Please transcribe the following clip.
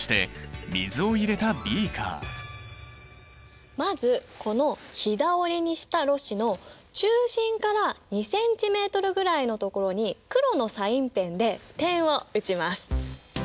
使うのはまずこのひだ折りにしたろ紙の中心から２ｃｍぐらいのところに黒のサインペンで点を打ちます。